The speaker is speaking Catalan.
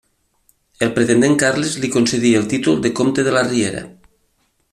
El pretendent Carles li concedí el títol de comte de la Riera.